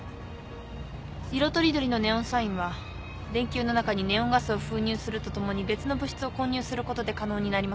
色取り取りのネオンサインは電球の中にネオンガスを封入するとともに別の物質を混入することで可能になりました。